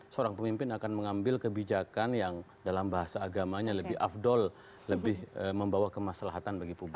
seorang pemimpin akan mengambil kebijakan yang dalam bahasa agamanya lebih afdol lebih membawa kemaslahatan bagi publik